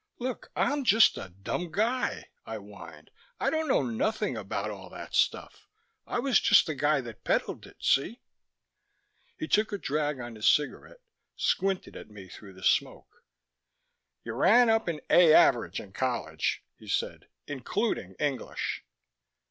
"Look, I'm just a dumb guy," I whined. "I don't know nothing about all that stuff. I was just the guy that peddled it, see?" He took a drag on his cigarette, squinted at me through the smoke. "You ran up an A average in college," he said, "including English."